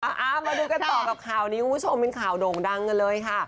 เอามาดูกันต่อกับข่าวนี้คุณผู้ชมเป็นข่าวโด่งดังกันเลยค่ะ